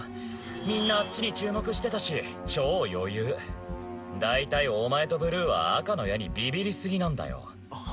みんなあっちに注目してたし超余裕大体お前とブルーは赤の矢にビビりすぎなんだよ